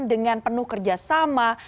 dengan penuh kerjasama